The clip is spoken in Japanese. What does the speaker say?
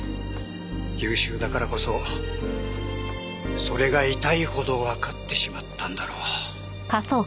優秀だからこそそれが痛いほどわかってしまったんだろう。